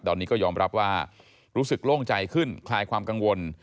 ตอนนี้ก็ยอมรับว่ารู้สึกโล่งใจขึ้นคลายความกังวล